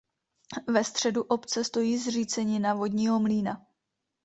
Ve středu obce stojí zřícenina vodního mlýna.